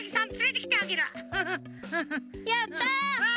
やった！